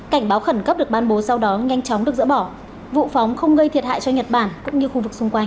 cảnh báo khẩn cấp được ban bố sau đó nhanh chóng được dỡ bỏ vụ phóng không gây thiệt hại cho nhật bản cũng như khu vực xung quanh